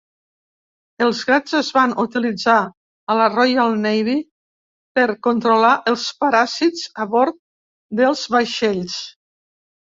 Els gats es van utilitzar a la Royal Navy per controlar els paràsits a bord dels vaixells.